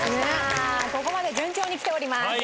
ここまで順調にきております。